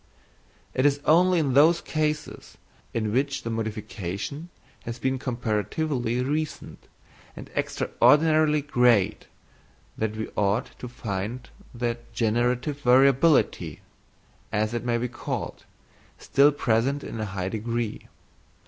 It is only in those cases in which the modification has been comparatively recent and extraordinarily great that we ought to find the generative variability, as it may be called, still present in a high degree.